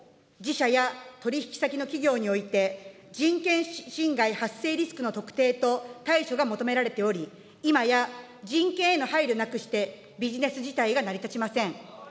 自社や取り引き先の企業において、人権侵害発生リスクの特定と対処が求められており、今や人権への配慮なくして、ビジネス自体が成り立ちません。